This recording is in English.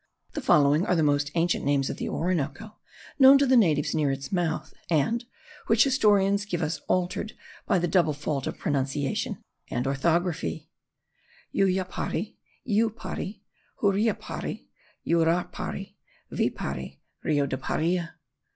The following are the most ancient names of the Orinoco, known to the natives near its mouth, and which historians give us altered by the double fault of pronunciation and orthography; Yuyapari, Yjupari, Huriaparia, Urapari, Viapari, Rio de Paria.